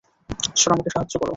ঈশ্বর আমাকে সাহায্য করো।